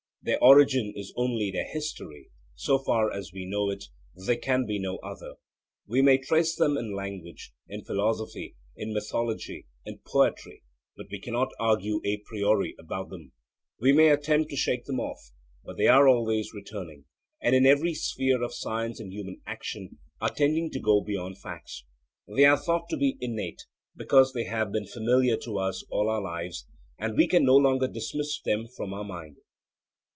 Their origin is only their history, so far as we know it; there can be no other. We may trace them in language, in philosophy, in mythology, in poetry, but we cannot argue a priori about them. We may attempt to shake them off, but they are always returning, and in every sphere of science and human action are tending to go beyond facts. They are thought to be innate, because they have been familiar to us all our lives, and we can no longer dismiss them from our mind.